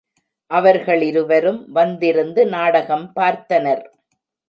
அவர்களிருவரும் வந்திருந்து நாடகம் பார்த்தனர்.